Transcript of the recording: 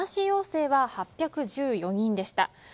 陽性は８１４人でした。